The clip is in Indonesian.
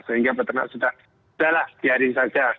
sehingga peternak sudah sudah lah biarin saja